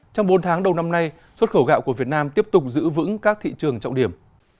trong bốn tháng đầu năm nay xuất khẩu gạo của việt nam tiếp tục giữ vững các thị trường trọng điểm